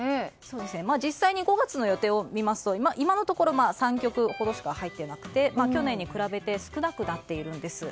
実際に５月の予定を見ますと今のところ３局ほどしか入っていなくて、去年に比べて少なくなっているんです。